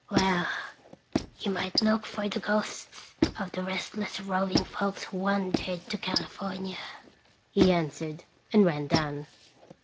"Well you might look for the ghosts of the restless, roving folks who wandered to California," he answered, and ran down.